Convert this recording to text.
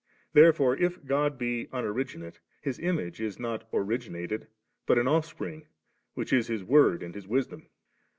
Therefore if God be unoriginate. His Image is not origin ated, but an Ofifspring7, which is His Word and His Wisdom.